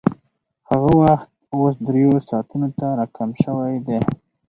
هغه وخت اوس درېیو ساعتونو ته راکم شوی دی